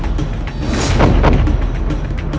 kau tidak tahu